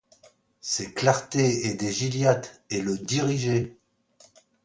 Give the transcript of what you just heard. Ces clartés aidaient Gilliatt et le dirigeaient.